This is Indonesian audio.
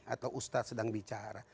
atau ustadz sedang bicara